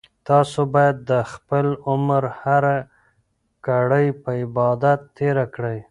تاسو باید د خپل عمر هره ګړۍ په عبادت تېره کړئ.